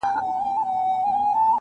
اوس د ماشوخېل زاړه خوبونه ریشتیا کېږي٫